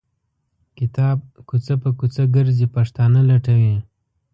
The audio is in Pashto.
کتاب کوڅه په کوڅه ګرځي پښتانه لټوي.